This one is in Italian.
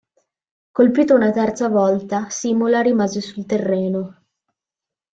Colpito una terza volta, Simula rimase sul terreno.